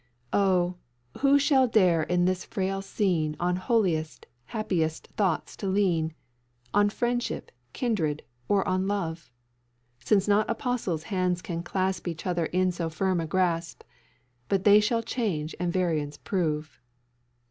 "Oh! who shall dare in this frail scene On holiest, happiest thoughts to lean, On Friendship, Kindred, or on Love? Since not Apostles' hands can clasp Each other in so firm a grasp, But they shall change and variance prove.